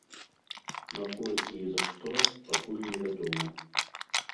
Наколькі і за што, пакуль невядома.